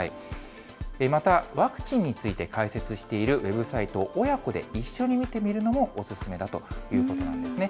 また、ワクチンについて解説しているウェブサイトを、親子で一緒に見てみるのもお勧めだということなんですね。